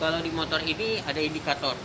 kalau di motor ini ada indikator